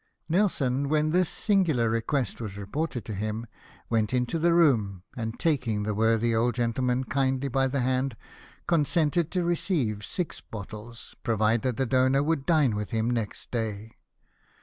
Nelson, when this singular request was reported to him, went mto the room, and taking the worthy old gentleman kindly by the hand, consented to receive six bottles provided the donor would dine with him next day.